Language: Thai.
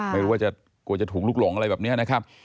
ไม่รู้ว่าจะกลัวจะถูกลุกหลงอะไรแบบนี้นะครับ